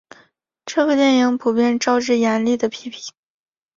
这部电影普遍招致严厉的批评。